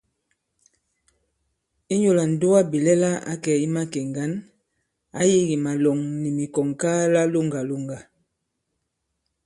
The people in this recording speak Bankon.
Inyū lā ǹdugabìlɛla ǎ kɛ̀ i makè ŋgǎn, ǎ yī kì màlɔ̀ŋ nì mikɔ̀ŋŋkaala loŋgàlòŋgà.